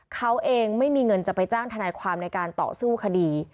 เขาเองไม่มีเงินจะไปจ้างทนายความในการต่อสู้คดี